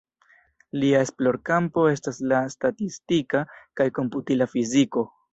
Lia esplorkampo estas la statistika kaj komputila fiziko.